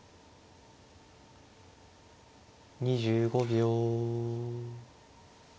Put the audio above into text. ２５秒。